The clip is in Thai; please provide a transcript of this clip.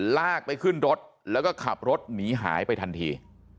ลากไปขึ้นรถแล้วก็ขับรถหนีหายไปทันที